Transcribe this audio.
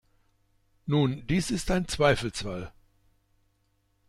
Nun, dies ist ein Zweifelsfall.